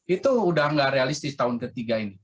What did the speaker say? itu udah nggak realistis tahun ketiga ini